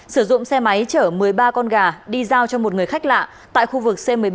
sử dụng xe máy chở một mươi ba con gà đi giao cho một người khách lạ tại khu vực c một mươi bảy